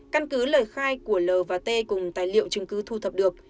căn cứ lời khai của l và t cùng tài liệu chứng cứ thu thập được